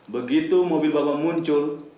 begitu mobil bapak muncul